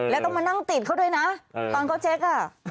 แล้วต้องมานั่งติดเขาด้วยนะตอนเขาเช็คอ่ะ